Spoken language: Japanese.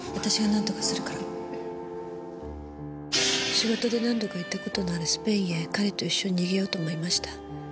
仕事で何度か行った事のあるスペインへ彼と一緒に逃げようと思いました。